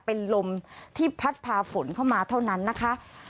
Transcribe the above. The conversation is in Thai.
เป็นลมที่พัดพาฝนเข้ามาเท่านั้นนะคะ